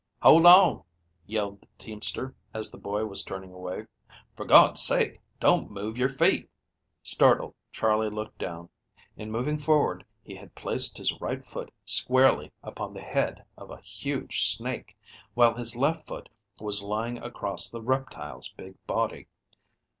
"Hold on!" yelled the teamster, as the boy was turning away. "For God's sake don't move your feet!" Startled, Charley looked down. In moving forward he had placed his right foot squarely upon the head of a huge snake, while his left foot was lying across the reptile's big body.